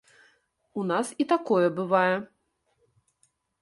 У нас і такое бывае.